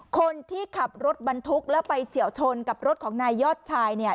คนที่ขับรถบรรทุกแล้วไปเฉียวชนกับรถของนายยอดชายเนี่ย